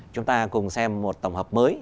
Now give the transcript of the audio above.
chúng ta cùng xem một tổng hợp mới